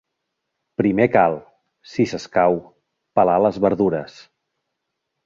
Primer cal, si s'escau, pelar les verdures.